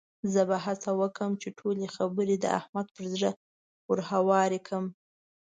زه به هڅه وکړم چې ټولې خبرې د احمد پر زړه ورهوارې کړم.